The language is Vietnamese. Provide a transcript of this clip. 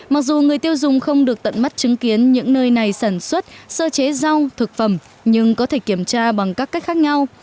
mặc dù người tiêu dùng không được tận mắt chứng kiến những nơi này sản xuất sơ chế rau thực phẩm nhưng có thể kiểm tra bằng các cách khác nhau